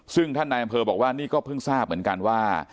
ซึ่งท่านนายอำเภอบอกว่านี่ก็เพิ่งทราบเหมือนกันว่า